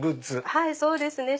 はいそうですね。